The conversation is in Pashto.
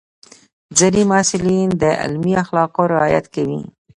ځینې محصلین د علمي اخلاقو رعایت کوي.